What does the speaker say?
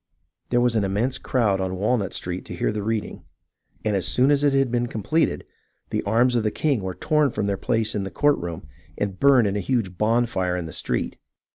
There was an immense crowd on Walnut street to hear the reading, and as soon as it had been completed, the arms of the king were torn from their place in the court room and burned in a huge bonfire in tlie street.